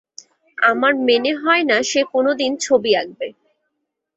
আমার মনে হয় না সে কোনোদিন ছবি আঁকবে।